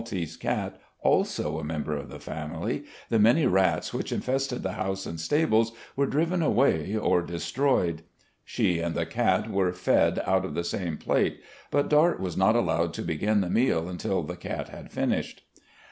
SERVICES IN THE ARMY 7 cat, also a member of the family, the many rats which infested the house and stables were driven away or destroyed. She and the cat were fed out of the same plate, but Dart was not allowed to begin the meal until the cat had finished.